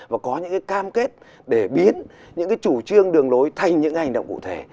và có những cái cam kết để biến những cái chủ trương đường lối thành những hành động cụ thể